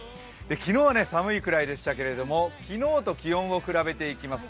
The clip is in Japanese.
昨日は寒いくらいでしたけど昨日と気温を比べていきます。